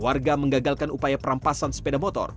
warga menggagalkan upaya perampasan sepeda motor